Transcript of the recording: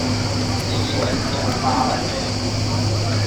你以為自己好巴閉咩！